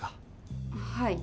はい。